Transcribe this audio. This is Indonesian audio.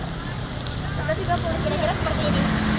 tetapi kalau kira kira seperti ini